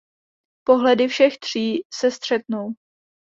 Pohledy všech tří se střetnou.